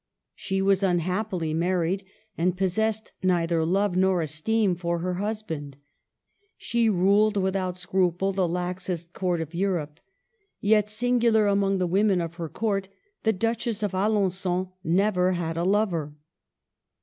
She was unhap pily married, and possessed neither love nor esteem for her husband. She ruled without scruple the laxest court of Europe. Yet, sin gular among the women of that court, the Duchess of Alengon never had a lover.